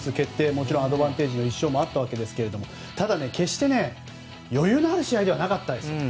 もちろんアドバンテージの１勝もあったわけですがただ、決して余裕のある試合ではなかったですよ。